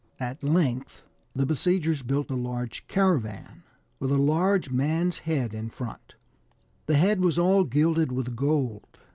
At length the besiegers built a large caravan, with a large man's head in front ; the head was all gilded with gold.